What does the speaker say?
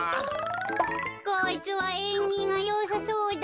こいつはえんぎがよさそうだ。